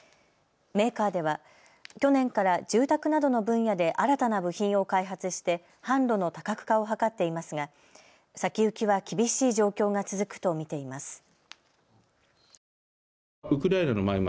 メーカーでは去年から住宅などの分野で新たな部品を開発して、販路の多角化を図っていますが先行きは厳しい状況が続くと見ています。